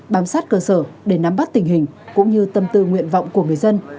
bám sát cơ sở để nắm bắt tình hình cũng như tâm tư nguyện vọng của người dân